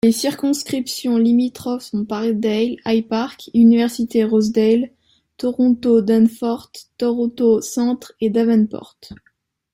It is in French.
Les circonscriptions limitrophes sont Parkdale—High Park, University—Rosedale, Toronto—Danforth, Toronto-Centre et Davenport.